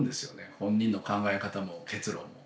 本人の考え方も結論も。